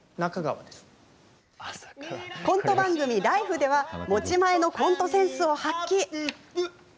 コント番組「ＬＩＦＥ！」では持ち前のコントセンスを発揮。